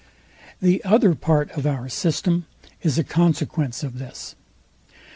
The other part of our system is a consequence of this.